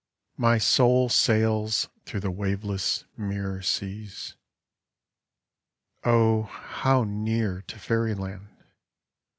My soul sails through the waveless mirror seas. Oh, how near to Fairyland